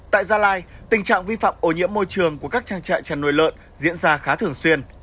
tại gia lai tình trạng vi phạm ổ nhiễm môi trường của các trang trại chăn nuôi lợn diễn ra khá thường xuyên